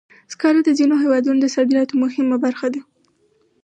سکاره د ځینو هېوادونو د صادراتو مهمه برخه ده.